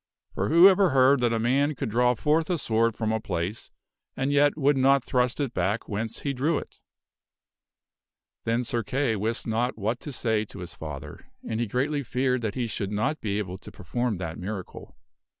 For who ever heard that a man could draw forth a sword from a place and yet would not thrust it back whence he drew it ?" Then Sir Kay wist not what to say to his father, and he greatly feared that he should not be able to perform that miracle.